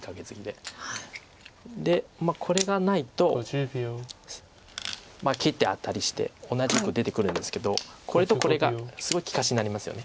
でこれがないと切ってアタリして同じく出てくるんですけどこれとこれがすごい利かしになりますよね。